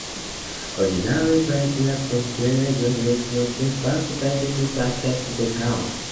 Originally paved with gravel, it provided the first land vehicle access to the town.